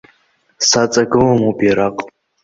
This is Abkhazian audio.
Саҵагылам убираҟ.